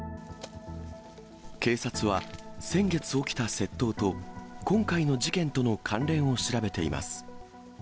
警察は、先月起きた窃盗と、今回の事件との関連を調べています。